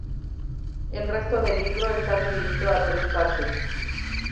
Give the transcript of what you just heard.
El resto del libro está dividido a tres partes.